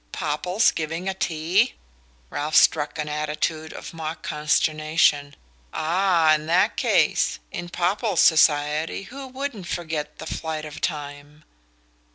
"Popple's giving a tea?" Ralph struck an attitude of mock consternation. "Ah, in that case ! In Popple's society who wouldn't forget the flight of time?"